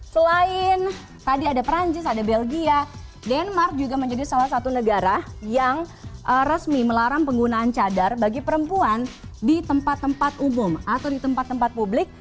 selain tadi ada perancis ada belgia denmark juga menjadi salah satu negara yang resmi melarang penggunaan cadar bagi perempuan di tempat tempat umum atau di tempat tempat publik